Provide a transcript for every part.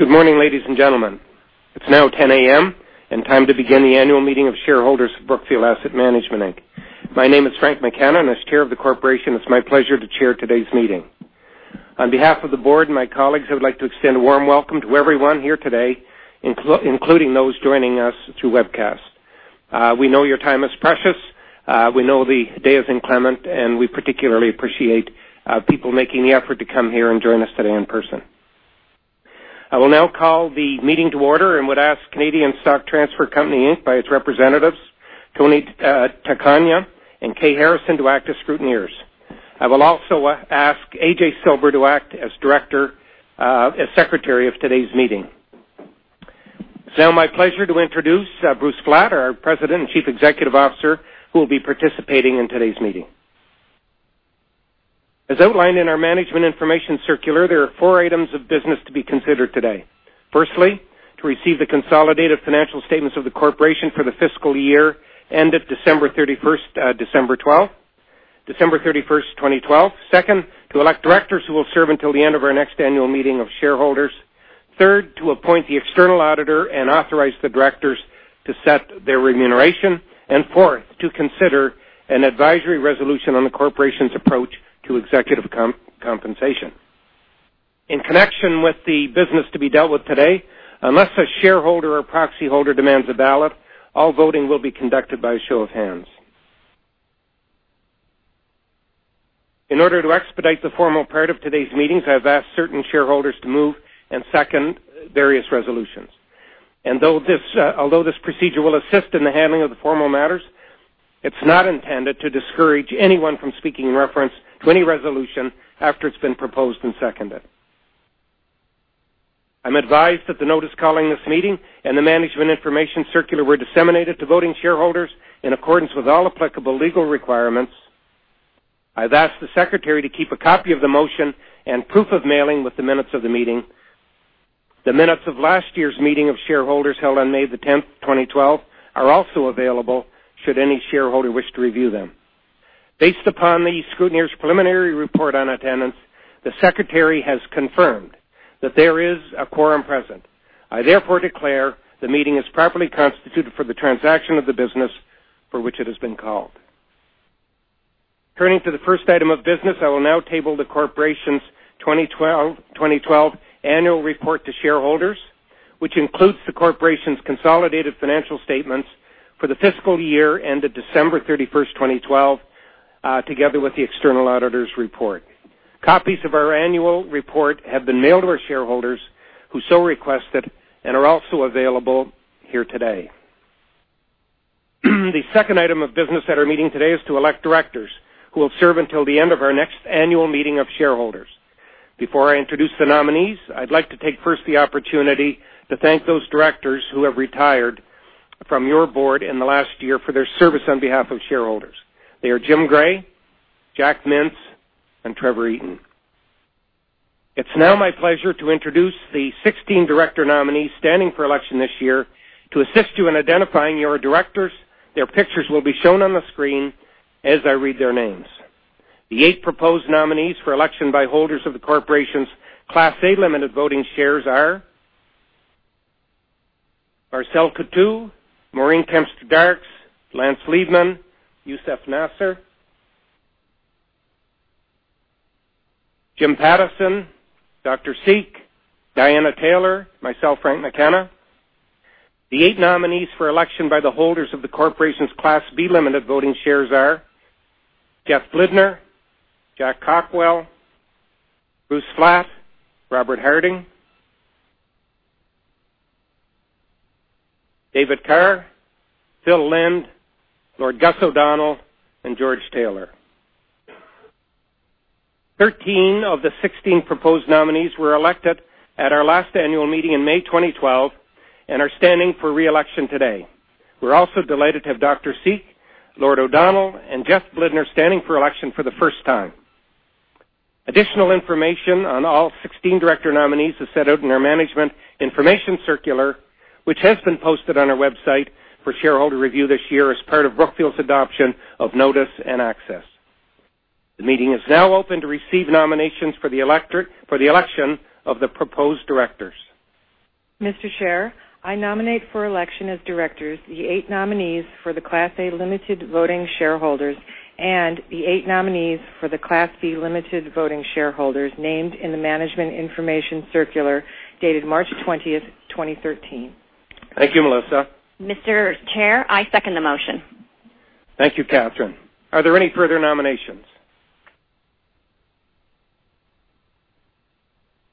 Good morning, ladies and gentlemen. It's now 10:00 A.M. and time to begin the annual meeting of shareholders of Brookfield Asset Management Inc. My name is Frank McKenna, as Chair of the Corporation, it's my pleasure to chair today's meeting. On behalf of the board and my colleagues, I would like to extend a warm welcome to everyone here today, including those joining us through webcast. We know your time is precious. We know the day is inclement, we particularly appreciate people making the effort to come here and join us today in person. I will now call the meeting to order and would ask Canadian Stock Transfer Company Inc., by its representatives, Tony Taccagna and Kay Harrison, to act as scrutineers. I will also ask A.J. Silber to act as secretary of today's meeting. It's now my pleasure to introduce Bruce Flatt, our President and Chief Executive Officer, who will be participating in today's meeting. As outlined in our management information circular, there are four items of business to be considered today. Firstly, to receive the consolidated financial statements of the corporation for the fiscal year ended December 31st, 2012. Second, to elect directors who will serve until the end of our next annual meeting of shareholders. Third, to appoint the external auditor and authorize the directors to set their remuneration. Fourth, to consider an advisory resolution on the corporation's approach to executive compensation. In connection with the business to be dealt with today, unless a shareholder or proxy holder demands a ballot, all voting will be conducted by a show of hands. In order to expedite the formal part of today's meetings, I've asked certain shareholders to move and second various resolutions. Although this procedure will assist in the handling of the formal matters, it's not intended to discourage anyone from speaking in reference to any resolution after it's been proposed and seconded. I'm advised that the notice calling this meeting and the management information circular were disseminated to voting shareholders in accordance with all applicable legal requirements. I've asked the secretary to keep a copy of the motion and proof of mailing with the minutes of the meeting. The minutes of last year's meeting of shareholders held on May the 10th, 2012, are also available should any shareholder wish to review them. Based upon the scrutineer's preliminary report on attendance, the secretary has confirmed that there is a quorum present. I therefore declare the meeting is properly constituted for the transaction of the business for which it has been called. Turning to the first item of business, I will now table the corporation's 2012 annual report to shareholders, which includes the corporation's consolidated financial statements for the fiscal year ended December 31st, 2012, together with the external auditor's report. Copies of our annual report have been mailed to our shareholders who so requested and are also available here today. The second item of business at our meeting today is to elect directors who will serve until the end of our next annual meeting of shareholders. Before I introduce the nominees, I'd like to take first the opportunity to thank those directors who have retired from your board in the last year for their service on behalf of shareholders. They are Jim Gray, Jack Mintz, and Trevor Eaton. It's now my pleasure to introduce the 16 director nominees standing for election this year. To assist you in identifying your directors, their pictures will be shown on the screen as I read their names. The eight proposed nominees for election by holders of the corporation's Class A limited voting shares are Marcel Coutu, Maureen Kempston Darkes, Lance Liebman, Youssef Nasr, Jim Pattison, [Dr. Seele], Diana Taylor, myself, Frank McKenna. The eight nominees for election by the holders of the corporation's Class B limited voting shares are Jeffrey Blidner, Jack Cockwell, Bruce Flatt, Robert Harding, David Kerr, Philip Lind, Lord Gus O'Donnell, and George Taylor. 13 of the 16 proposed nominees were elected at our last annual meeting in May 2012 and are standing for re-election today. We're also delighted to have [Dr. Seele], Lord O'Donnell, and Jeffrey Blidner standing for election for the first time. Additional information on all 16 director nominees is set out in our management information circular, which has been posted on our website for shareholder review this year as part of Brookfield's adoption of notice and access. The meeting is now open to receive nominations for the election of the proposed directors. Mr. Chair, I nominate for election as directors the eight nominees for the Class A limited voting shareholders and the eight nominees for the Class B limited voting shareholders named in the management information circular dated March 20th, 2013. Thank you, Melissa. Mr. Chair, I second the motion. Thank you, Katherine. Are there any further nominations?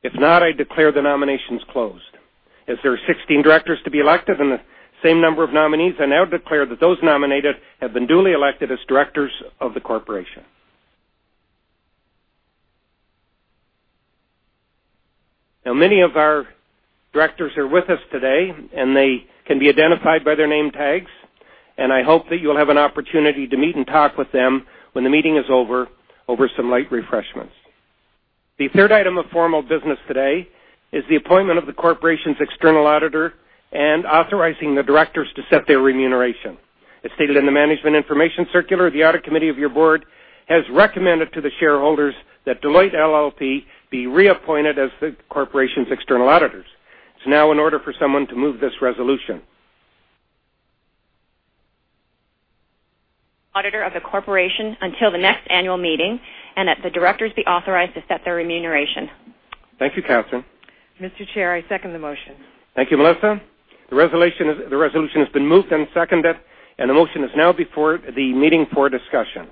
If not, I declare the nominations closed. As there are 16 directors to be elected and the same number of nominees, I now declare that those nominated have been duly elected as directors of the corporation. Now, many of our directors are with us today, and they can be identified by their name tags, and I hope that you will have an opportunity to meet and talk with them when the meeting is over over some light refreshments. The third item of formal business today is the appointment of the corporation's external auditor and authorizing the directors to set their remuneration. As stated in the management information circular, the audit committee of your board has recommended to the shareholders that Deloitte LLP be reappointed as the corporation's external auditors. It is now in order for someone to move this resolution. Auditor of the corporation until the next annual meeting, and that the directors be authorized to set their remuneration. Thank you, Katherine. Mr. Chair, I second the motion. Thank you, Melissa. The resolution has been moved and seconded. The motion is now before the meeting for discussion.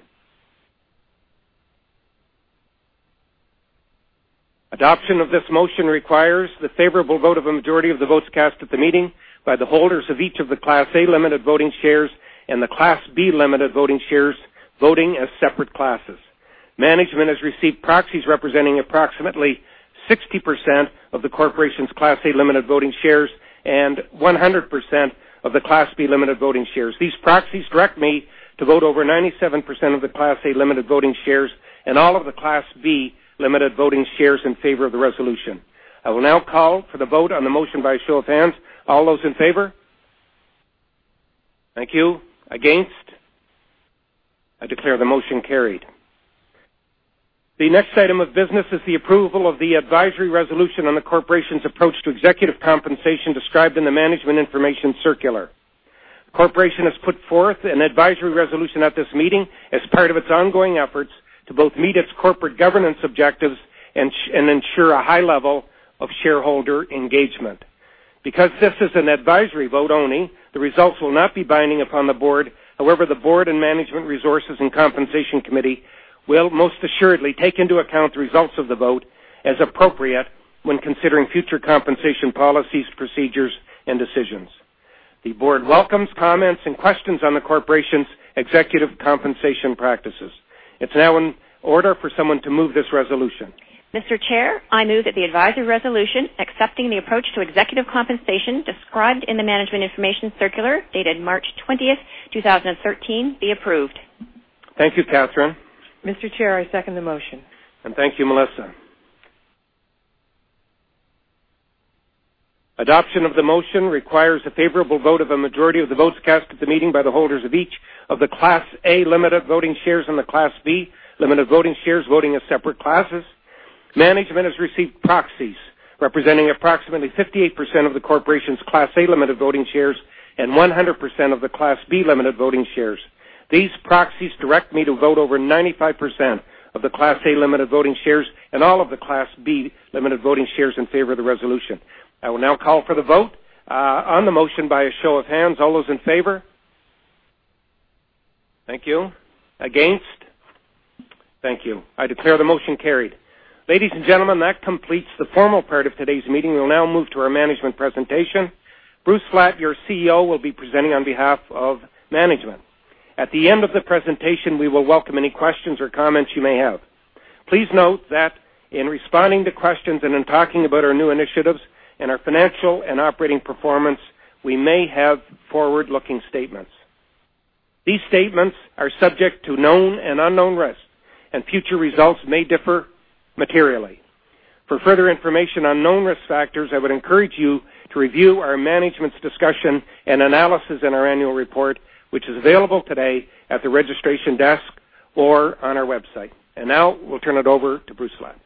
Adoption of this motion requires the favorable vote of a majority of the votes cast at the meeting by the holders of each of the Class A limited voting shares and the Class B limited voting shares, voting as separate classes. Management has received proxies representing approximately 60% of the corporation's Class A limited voting shares and 100% of the Class B limited voting shares. These proxies direct me to vote over 97% of the Class A limited voting shares and all of the Class B limited voting shares in favor of the resolution. I will now call for the vote on the motion by a show of hands. All those in favor? Thank you. Against? I declare the motion carried. The next item of business is the approval of the advisory resolution on the corporation's approach to executive compensation described in the management information circular. The corporation has put forth an advisory resolution at this meeting as part of its ongoing efforts to both meet its corporate governance objectives and ensure a high level of shareholder engagement. Because this is an advisory vote only, the results will not be binding upon the board. However, the board and Management Resources and Compensation Committee will most assuredly take into account the results of the vote as appropriate when considering future compensation policies, procedures, and decisions. The board welcomes comments and questions on the corporation's executive compensation practices. It's now in order for someone to move this resolution. Mr. Chair, I move that the advisory resolution accepting the approach to executive compensation described in the Management Information Circular, dated March 20th, 2013, be approved. Thank you, Katherine. Mr. Chair, I second the motion. Thank you, Melissa. Adoption of the motion requires a favorable vote of a majority of the votes cast at the meeting by the holders of each of the Class A limited voting shares and the Class B limited voting shares, voting as separate classes. Management has received proxies representing approximately 58% of the corporation's Class A limited voting shares and 100% of the Class B limited voting shares. These proxies direct me to vote over 95% of the Class A limited voting shares and all of the Class B limited voting shares in favor of the resolution. I will now call for the vote on the motion by a show of hands. All those in favor? Thank you. Against? Thank you. I declare the motion carried. Ladies and gentlemen, that completes the formal part of today's meeting. We will now move to our management presentation. Bruce Flatt, your CEO, will be presenting on behalf of management. At the end of the presentation, we will welcome any questions or comments you may have. Please note that in responding to questions and in talking about our new initiatives and our financial and operating performance, we may have forward-looking statements. These statements are subject to known and unknown risks, and future results may differ materially. For further information on known risk factors, I would encourage you to review our management's discussion and analysis in our annual report, which is available today at the registration desk or on our website. Now we'll turn it over to Bruce Flatt.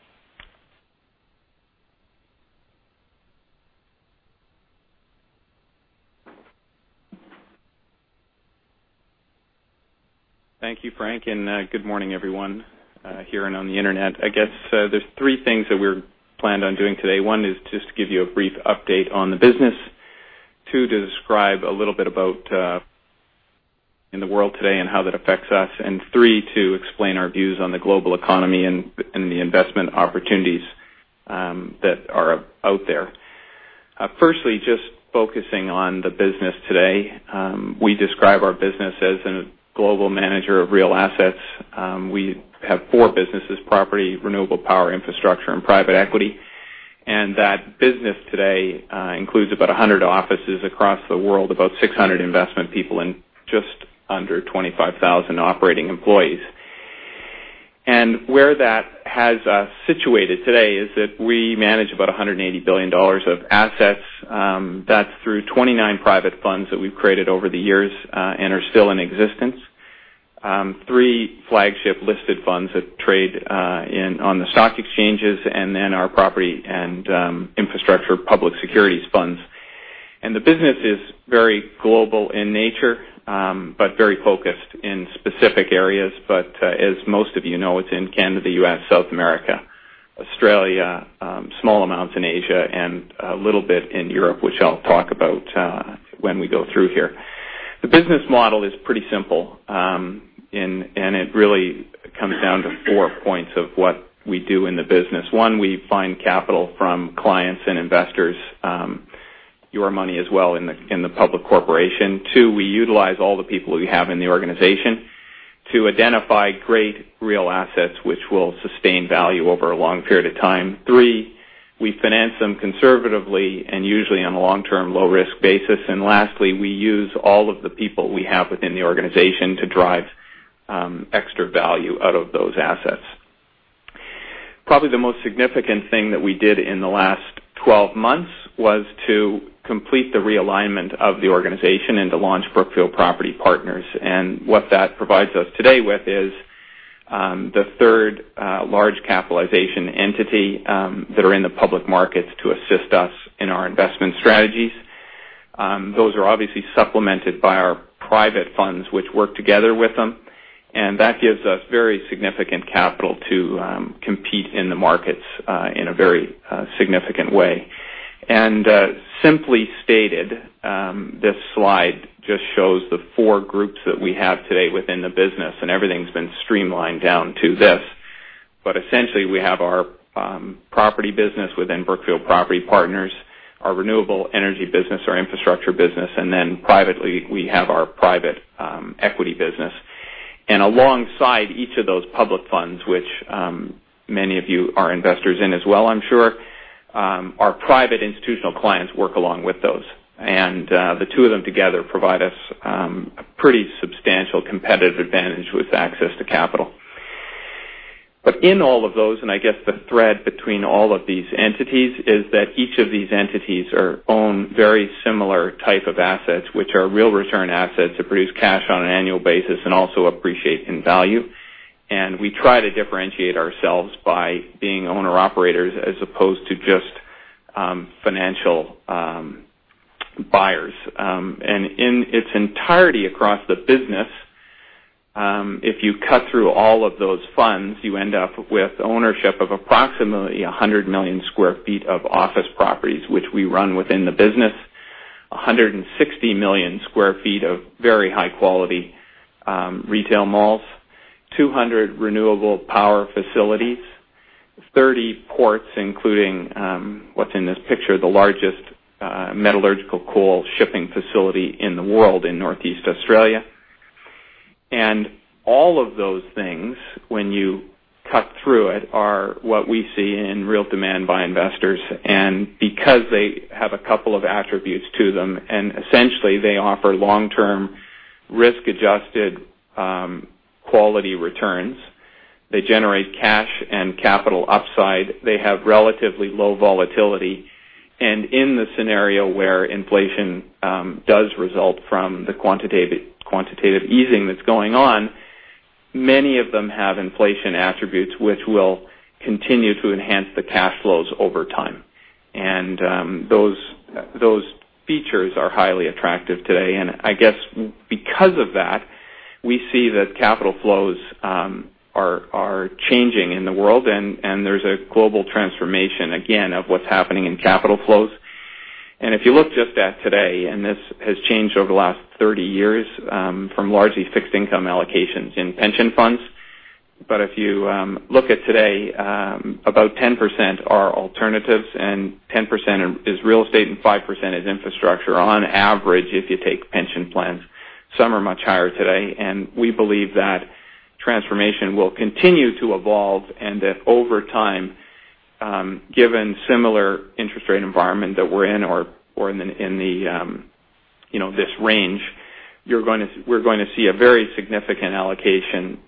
Thank you, Frank, and good morning, everyone here and on the Internet. I guess there are three things that we planned on doing today. One is just to give you a brief update on the business. Two, to describe a little bit about in the world today and how that affects us. Three, to explain our views on the global economy and the investment opportunities that are out there. Firstly, just focusing on the business today. We describe our business as a global manager of real assets. We have four businesses, property, renewable power, infrastructure, and private equity. That business today includes about 100 offices across the world, about 600 investment people, and just under 25,000 operating employees. Where that has us situated today is that we manage about $180 billion of assets. That's through 29 private funds that we've created over the years and are still in existence. Three flagship listed funds that trade on the stock exchanges, and then our property and infrastructure public securities funds. The business is very global in nature but very focused in specific areas. As most of you know, it's in Canada, U.S., South America, Australia, small amounts in Asia, and a little bit in Europe, which I'll talk about when we go through here. The business model is pretty simple. It really comes down to four points of what we do in the business. One, we find capital from clients and investors, your money as well in the public corporation. Two, we utilize all the people we have in the organization to identify great real assets which will sustain value over a long period of time. Three, we finance them conservatively and usually on a long-term, low-risk basis. Lastly, we use all of the people we have within the organization to drive extra value out of those assets. Probably the most significant thing that we did in the last 12 months was to complete the realignment of the organization and to launch Brookfield Property Partners. What that provides us today with is the third large capitalization entity that are in the public markets to assist us in our investment strategies. Those are obviously supplemented by our private funds, which work together with them. That gives us very significant capital to compete in the markets in a very significant way. Simply stated, this slide just shows the four groups that we have today within the business, and everything's been streamlined down to this. Essentially, we have our property business within Brookfield Property Partners, our renewable energy business, our infrastructure business, and then privately, we have our private equity business. Alongside each of those public funds, which many of you are investors in as well, I'm sure, our private institutional clients work along with those. The two of them together provide us a pretty substantial competitive advantage with access to capital. In all of those, and I guess the thread between all of these entities is that each of these entities own very similar type of assets, which are real return assets that produce cash on an annual basis and also appreciate in value. We try to differentiate ourselves by being owner-operators as opposed to just financial buyers. In its entirety across the business, if you cut through all of those funds, you end up with ownership of approximately 100 million sq ft of office properties, which we run within the business. 160 million sq ft of very high-quality retail malls. 200 renewable power facilities. 30 ports, including what's in this picture, the largest metallurgical coal shipping facility in the world in Northeast Australia. All of those things, when you cut through it, are what we see in real demand by investors. Because they have a couple of attributes to them, and essentially they offer long-term risk-adjusted quality returns. They generate cash and capital upside. They have relatively low volatility. In the scenario where inflation does result from the quantitative easing that's going on, many of them have inflation attributes which will continue to enhance the cash flows over time. Those features are highly attractive today. I guess because of that, we see that capital flows are changing in the world, there's a global transformation, again, of what's happening in capital flows. If you look just at today, this has changed over the last 30 years from largely fixed income allocations in pension funds. If you look at today, about 10% are alternatives and 10% is real estate and 5% is infrastructure on average, if you take pension plans. Some are much higher today. We believe that transformation will continue to evolve and that over time, given similar interest rate environment that we're in or in this range, we're going to see a very significant allocation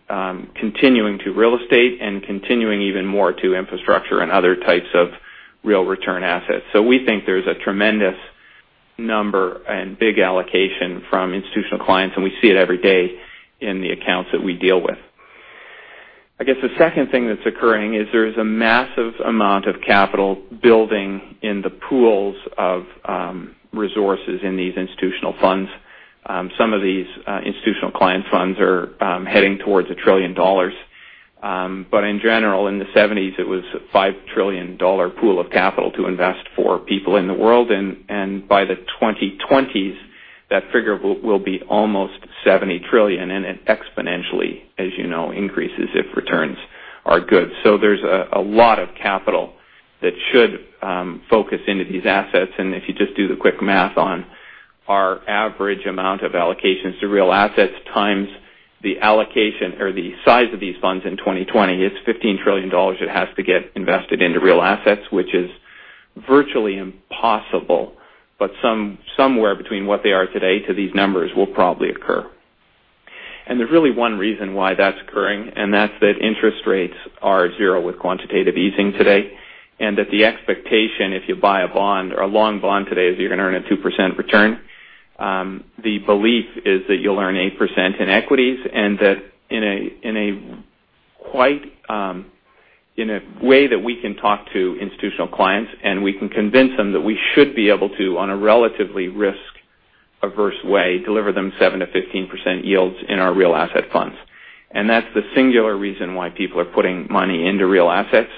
continuing to real estate and continuing even more to infrastructure and other types of real return assets. We think there's a tremendous number and big allocation from institutional clients, we see it every day in the accounts that we deal with. I guess the second thing that's occurring is there is a massive amount of capital building in the pools of resources in these institutional funds. Some of these institutional client funds are heading towards 1 trillion dollars. In general, in the 1970s, it was a 5 trillion dollar pool of capital to invest for people in the world. By the 2020s, that figure will be almost 70 trillion. It exponentially, as you know, increases if returns are good. There's a lot of capital that should focus into these assets. If you just do the quick math on our average amount of allocations to real assets times the allocation or the size of these funds in 2020, it's 15 trillion dollars that has to get invested into real assets, which is virtually impossible. Somewhere between what they are today to these numbers will probably occur. There's really one reason why that's occurring, that's that interest rates are zero with quantitative easing today. That the expectation, if you buy a bond or a long bond today, is you're going to earn a 2% return. The belief is that you'll earn 8% in equities, in a way that we can talk to institutional clients, we can convince them that we should be able to, on a relatively risk-averse way, deliver them 7%-15% yields in our real asset funds. That's the singular reason why people are putting money into real assets.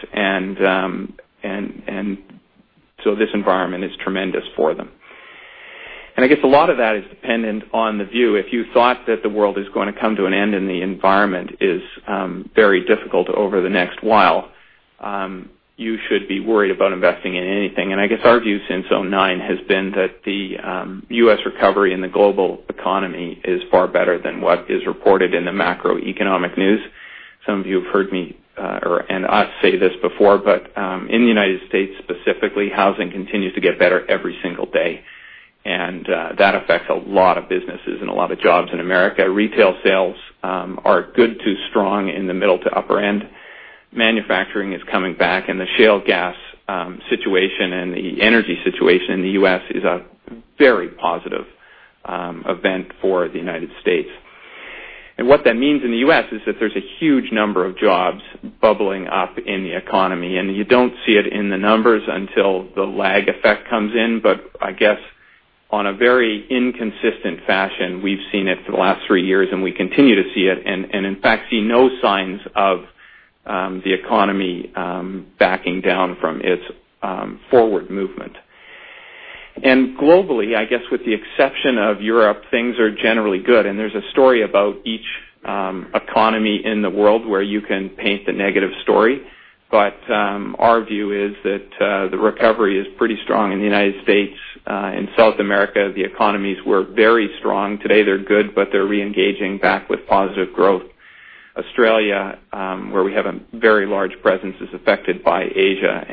This environment is tremendous for them. I guess a lot of that is dependent on the view. If you thought that the world is going to come to an end and the environment is very difficult over the next while, you should be worried about investing in anything. I guess our view since 2009 has been that the U.S. recovery and the global economy is far better than what is reported in the macroeconomic news. Some of you have heard me or us say this before, but in the United States specifically, housing continues to get better every single day. That affects a lot of businesses and a lot of jobs in America. Retail sales are good to strong in the middle to upper end. Manufacturing is coming back, the shale gas situation and the energy situation in the U.S. is a very positive event for the United States. What that means in the U.S. is that there's a huge number of jobs bubbling up in the economy, you don't see it in the numbers until the lag effect comes in. I guess on a very inconsistent fashion, we've seen it for the last three years, we continue to see it, and in fact, see no signs of the economy backing down from its forward movement. Globally, I guess with the exception of Europe, things are generally good. There's a story about each economy in the world where you can paint the negative story. Our view is that the recovery is pretty strong in the United States. In South America, the economies were very strong. Today, they're good, but they're reengaging back with positive growth. Australia, where we have a very large presence, is affected by Asia.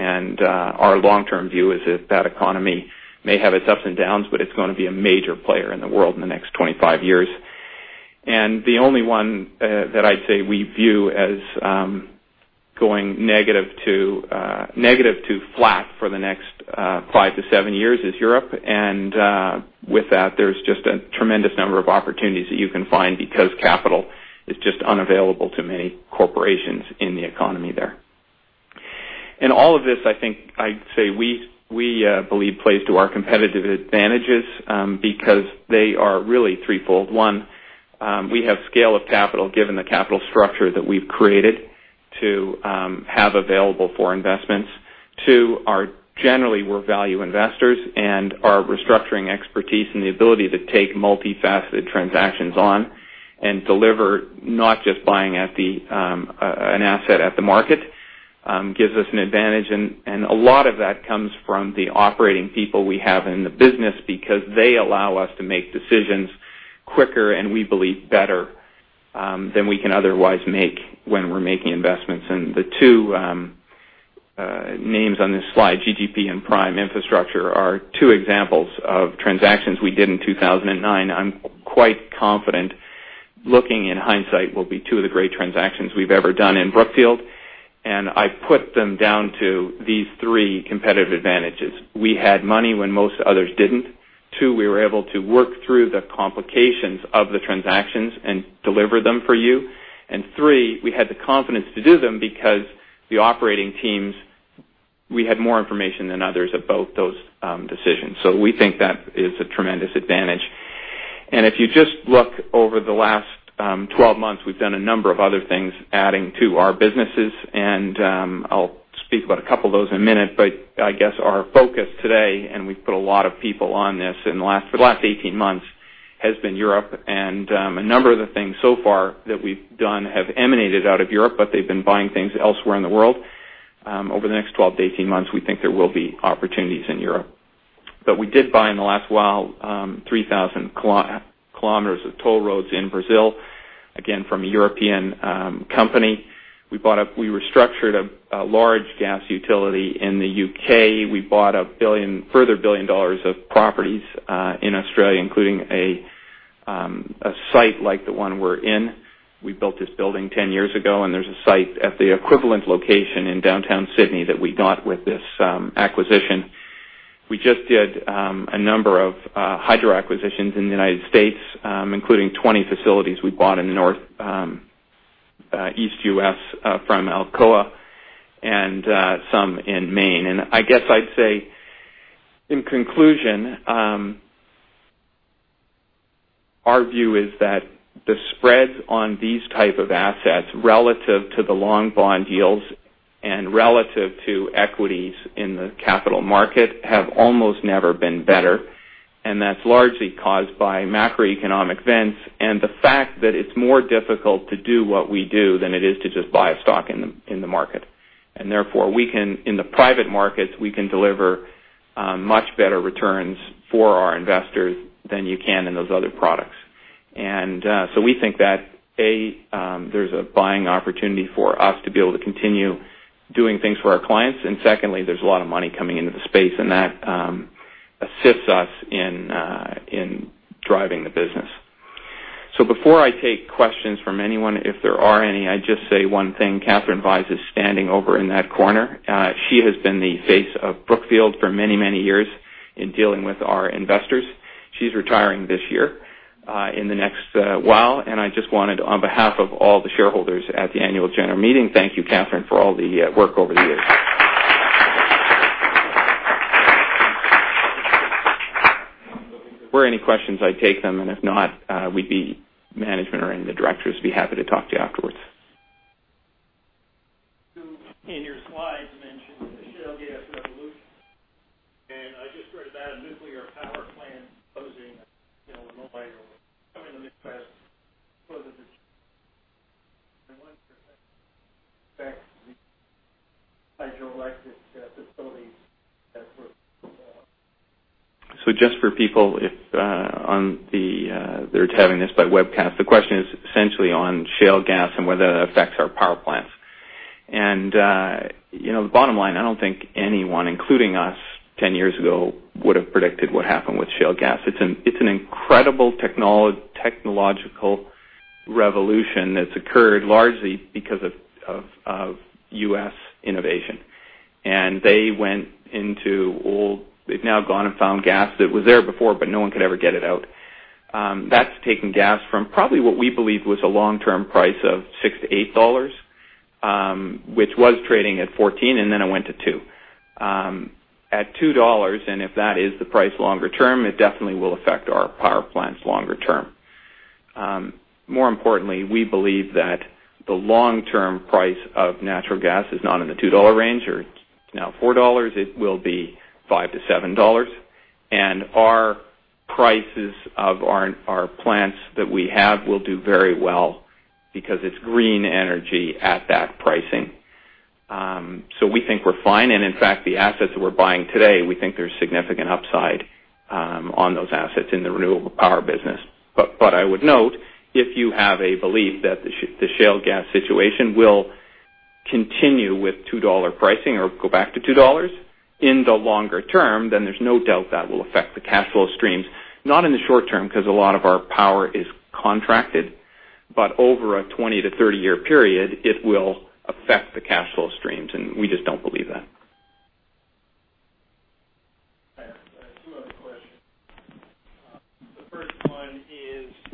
Our long-term view is that that economy may have its ups and downs, but it's going to be a major player in the world in the next 25 years. The only one that I'd say we view as going negative to flat for the next five to seven years is Europe. With that, there's just a tremendous number of opportunities that you can find because capital is just unavailable to many corporations in the economy there. All of this, I think, I'd say we believe plays to our competitive advantages because they are really threefold. One, we have scale of capital, given the capital structure that we've created to have available for investments. Two are generally we're value investors, our restructuring expertise and the ability to take multifaceted transactions on and deliver, not just buying an asset at the market gives us an advantage. A lot of that comes from the operating people we have in the business because they allow us to make decisions quicker, and we believe, better than we can otherwise make when we're making investments. The two names on this slide, GGP and Prime Infrastructure, are two examples of transactions we did in 2009. I'm quite confident, looking in hindsight, will be two of the great transactions we've ever done in Brookfield. I put them down to these three competitive advantages. We had money when most others didn't. Two, we were able to work through the complications of the transactions and deliver them for you. Three, we had the confidence to do them because the operating teams, we had more information than others about those decisions. We think that is a tremendous advantage. If you just look over the last 12 months, we've done a number of other things adding to our businesses. I'll speak about a couple of those in a minute. I guess our focus today, and we've put a lot of people on this for the last 18 months, has been Europe. A number of the things so far that we've done have emanated out of Europe, but they've been buying things elsewhere in the world. Over the next 12-18 months, we think there will be opportunities in Europe. We did buy, in the last while, 3,000 kilometers of toll roads in Brazil, again, from a European company. We restructured a large gas utility in the U.K. We bought a further $1 billion of properties in Australia, including a site like the one we're in. We built this building 10 years ago, and there's a site at the equivalent location in downtown Sydney that we got with this acquisition. We just did a number of hydro acquisitions in the U.S., including 20 facilities we bought in the Northeast U.S. from Alcoa and some in Maine. I guess I'd say, in conclusion, our view is that the spreads on these type of assets, relative to the long bond yields and relative to equities in the capital market, have almost never been better. That's largely caused by macroeconomic events and the fact that it's more difficult to do what we do than it is to just buy a stock in the market. Therefore, in the private markets, we can deliver much better returns for our investors than you can in those other products. We think that, A, there's a buying opportunity for us to be able to continue doing things for our clients. Secondly, there's a lot of money coming into the space, and that assists us in driving the business. Before I take questions from anyone, if there are any, I'd just say one thing. Katherine Wise is standing over in that corner. She has been the face of Brookfield for many, many years in dealing with our investors. She's retiring this year in the next while. I just wanted, on behalf of all the shareholders at the annual general meeting, thank you, Katherine, for all the work over the years. If there were any questions, I'd take them, and if not, management or any of the directors would be happy to talk to you afterwards. You, in your slides, mentioned the shale gas revolution. I just read about a nuclear power plant closing in Illinois or coming to the Midwest for the. I wonder if that affects the hydroelectric facilities that were. Just for people if they're having this by webcast, the question is essentially on shale gas and whether that affects our power plants. The bottom line, I don't think anyone, including us 10 years ago, would've predicted what happened with shale gas. It's an incredible technological revolution that's occurred largely because of U.S. innovation. They went into old. They've now gone and found gas that was there before, but no one could ever get it out. That's taken gas from probably what we believe was a long-term price of $6-$8, which was trading at $14, and then it went to $2. At $2, and if that is the price longer term, it definitely will affect our power plants longer term. More importantly, we believe that the long-term price of natural gas is not in the $2 range or now $4. It will be $5-$7. Our prices of our plants that we have will do very well because it's green energy at that pricing. We think we're fine. In fact, the assets that we're buying today, we think there's significant upside on those assets in the renewable power business. I would note, if you have a belief that the shale gas situation will continue with $2 pricing or go back to $2 in the longer term, then there's no doubt that will affect the cash flow streams. Not in the short term, because a lot of our power is contracted. Over a 20-30-year period, it will affect the cash flow streams, and we just don't believe that.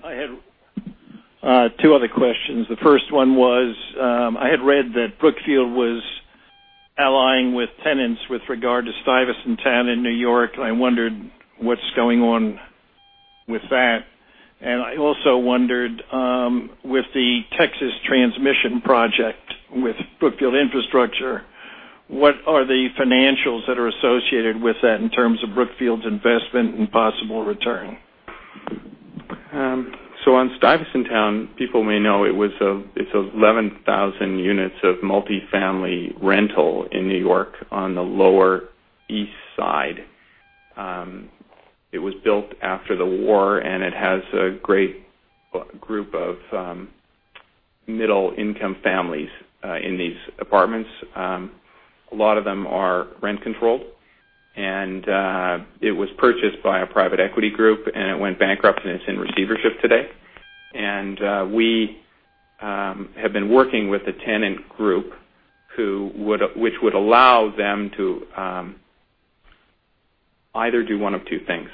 I have two other questions. The first one is I had read that Brookfield was allying with tenants with regard to Stuyvesant Town in New York, and I wondered what's going on with that. I also wondered, with the Texas transmission project with Brookfield Infrastructure, what are the financials that are associated with that in terms of Brookfield's investment and possible return? On Stuyvesant Town, people may know it's 11,000 units of multi-family rental in New York on the Lower East Side. It was built after the war, it has a great group of middle-income families in these apartments. A lot of them are rent-controlled. It was purchased by a private equity group, it went bankrupt, it's in receivership today. We have been working with the tenant group, which would allow them to either do one of two things,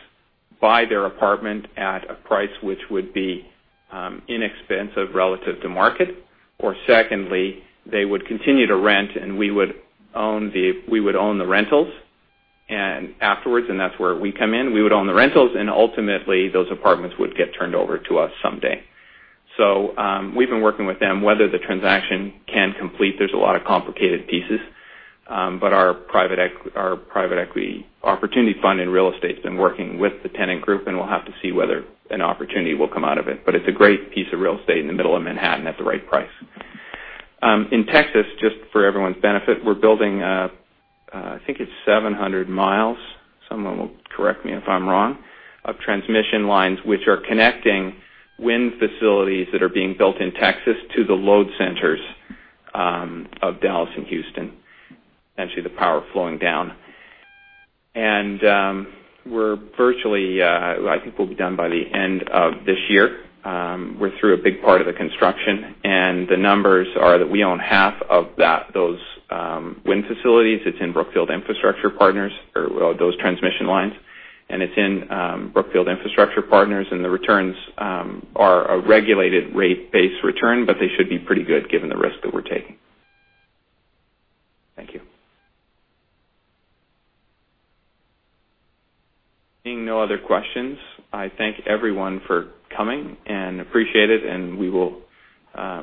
buy their apartment at a price which would be inexpensive relative to market, or secondly, they would continue to rent, we would own the rentals. Afterwards, and that's where we come in, we would own the rentals, ultimately, those apartments would get turned over to us someday. We've been working with them. Whether the transaction can complete, there's a lot of complicated pieces. Our private equity opportunity fund in real estate's been working with the tenant group, we'll have to see whether an opportunity will come out of it. It's a great piece of real estate in the middle of Manhattan at the right price. In Texas, just for everyone's benefit, we're building, I think it's 700 miles. Someone will correct me if I'm wrong. Of transmission lines, which are connecting wind facilities that are being built in Texas to the load centers of Dallas and Houston, essentially the power flowing down. We're virtually, I think we'll be done by the end of this year. We're through a big part of the construction, the numbers are that we own half of those wind facilities. It's in Brookfield Infrastructure Partners or those transmission lines. It's in Brookfield Infrastructure Partners, the returns are a regulated rate-based return, they should be pretty good given the risk that we're taking. Thank you. Seeing no other questions, I thank everyone for coming and appreciate it.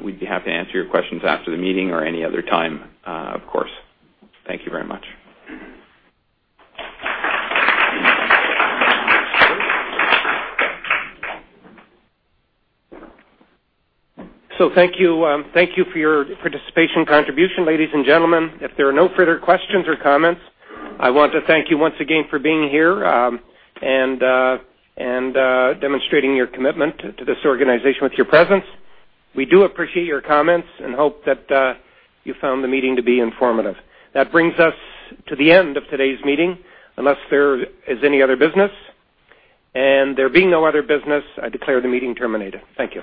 We'd be happy to answer your questions after the meeting or any other time, of course. Thank you very much. Thank you. Thank you for your participation contribution, ladies and gentlemen. If there are no further questions or comments, I want to thank you once again for being here, and demonstrating your commitment to this organization with your presence. We do appreciate your comments and hope that you found the meeting to be informative. That brings us to the end of today's meeting, unless there is any other business. There being no other business, I declare the meeting terminated. Thank you